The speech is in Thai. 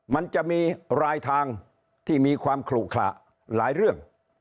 มันจะมีรายทางที่มีความขลุขระหลายเรื่อง